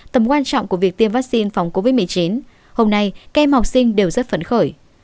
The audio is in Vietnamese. tầm quan trọng của việc tiêm vaccine phòng covid một mươi chín hôm nay các em học sinh đều rất phấn khởi